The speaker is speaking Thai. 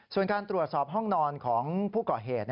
ส่วนการตรวจสอบห้องนอนของผู้ก่อเหตุ